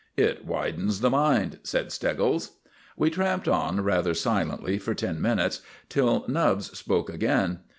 "It widens the mind," said Steggles. We tramped on rather silently for ten minutes till Nubbs spoke again.